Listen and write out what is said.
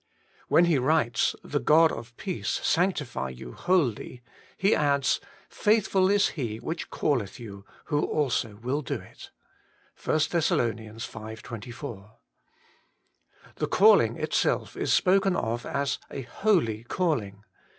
When he writes, ' The God of peace sanctify you wholly,' he adds, ' Faithful is He which calleth you, who also will do it ' (1 Thess. v. 24). The calling itself is spoken of as ' a holy calling.'